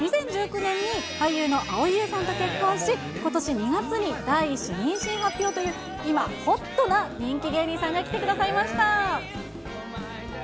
２０１９年に、俳優の蒼井優さんと結婚し、ことし２月に第１子妊娠発表という、今、ホットな人気芸人さんが来てくださいました。